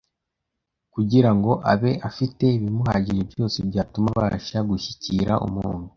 kugira ngo abe afite ibimuhagije byose byatuma abasha gushyikira umuntu,